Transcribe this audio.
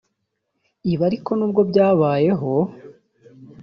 Ibi ariko n’ubwo byabayeho